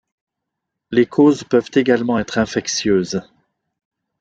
Les causes peuvent également être infectieuses.